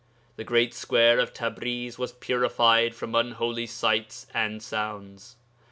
The great square of Tabriz was purified from unholy sights and sounds.